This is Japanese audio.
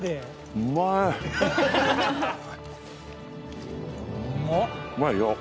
うまいよ。